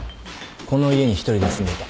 この家に一人で住んでいた。